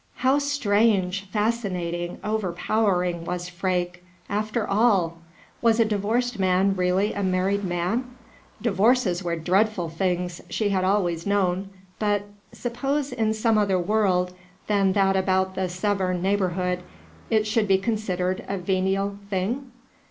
How strange, fascinating, overpowering was Freke, after all! Was a divorced man really a married man? Divorces were dreadful things, she had always known but suppose, in some other world than that about the Severn neighborhood, it should be considered a venial thing?